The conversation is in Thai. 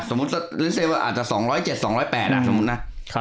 สมมุติหรือเศษว่าอาจจะ๒๐๗๒๐๘อ่ะสมมุตินะ